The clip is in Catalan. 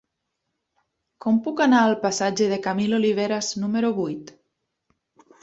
Com puc anar al passatge de Camil Oliveras número vuit?